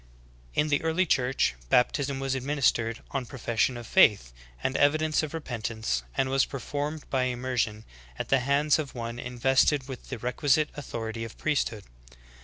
In the early Church, baptism was administered on profession of faith and evidence of repentance, and was performed by immersion^ at the hands of one invested with the requisite authority of priesthood.